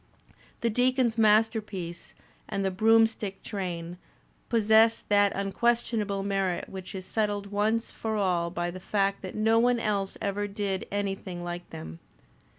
The Deacon's Masterpiece" and "The Broomstick Train" possess that unquestionable merit which is settled once for all by the fact that no one else ever did anything like them.